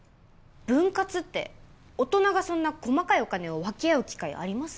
分割って大人がそんな細かいお金を分け合う機会あります？